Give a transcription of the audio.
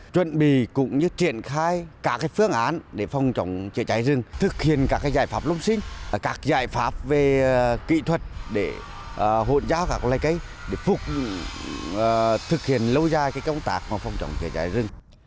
thực hiện lâu dài công tác phòng chống cháy rừng